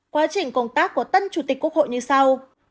quá trình công tác của tân chủ tịch quốc hội như sau